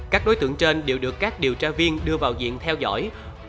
các đối tượng trên đều được các điều tra viên đưa vào diện theo dõi